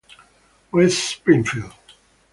West Springfield